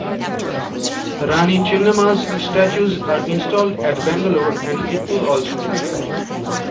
Rani Chennamma's statues are installed at Bangalore and Kittur also.